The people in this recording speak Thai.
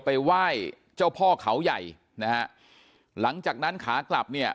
ไปไหว้เจ้าพ่อเขาใหญ่นะฮะหลังจากนั้นขากลับเนี่ย